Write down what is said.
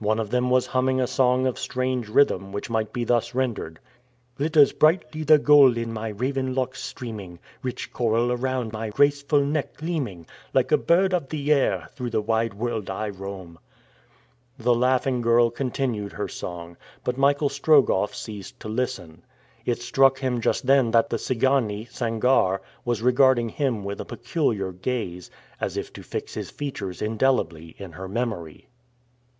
One of them was humming a song of strange rhythm, which might be thus rendered: "Glitters brightly the gold In my raven locks streaming Rich coral around My graceful neck gleaming; Like a bird of the air, Through the wide world I roam." The laughing girl continued her song, but Michael Strogoff ceased to listen. It struck him just then that the Tsigane, Sangarre, was regarding him with a peculiar gaze, as if to fix his features indelibly in her memory.